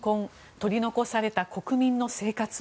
取り残された国民の生活は？